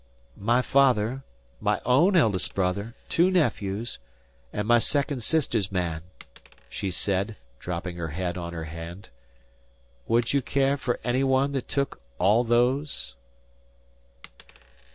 "My father my own eldest brother two nephews an' my second sister's man," she said, dropping her head on her hand. "Would you care fer any one that took all those?"